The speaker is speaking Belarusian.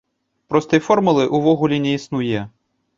Простай формулы ўвогуле не існуе.